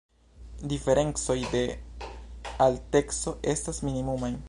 Diferencoj de alteco estas minimumaj.